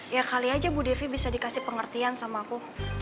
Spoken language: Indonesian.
ya kali aja bu devi bisa dikasih pengertian sama aku